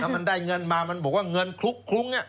มันได้เงินมามันบอกว่าเงินคลุกคลุ้ง